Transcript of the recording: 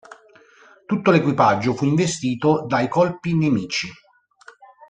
Tutto l'equipaggio fu investito dai colpi nemici.